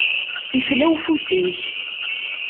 Ifla ufus-ik.